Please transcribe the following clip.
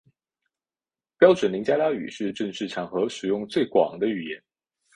标准林加拉语是正式场合使用最广的语言。